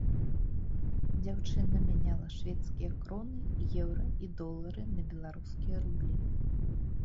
Дзяўчына мяняла шведскія кроны, еўра і долары на беларускія рублі.